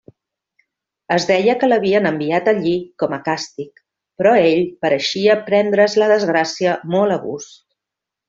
Es deia que l'havien enviat allí com a càstig, però ell pareixia prendre's la desgràcia molt a gust.